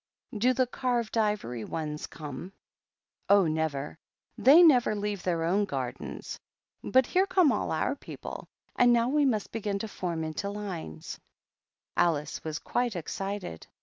"Do the carved ivory ones come?" "Oh, never! They never leave their own gardens. But here come all our people, and now we must begin to form into line." Alice was quite excited.